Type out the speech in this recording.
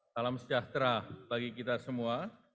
salam sejahtera bagi kita semua